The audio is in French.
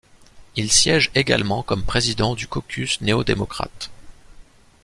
Il siège également comme président du caucus néo-démocrate.